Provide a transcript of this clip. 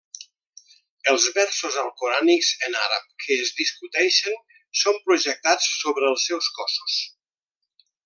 Els versos alcorànics en àrab que es discuteixen són projectats sobre els seus cossos.